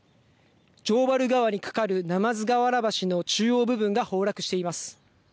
城原川に架かる鯰河原橋の中央部分が崩落しています。